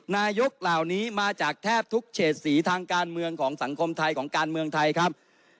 นายกเหล่านี้มาจากแทบทุกเฉดสีทางการเมืองของสังคมไทยของการเมืองไทยครับ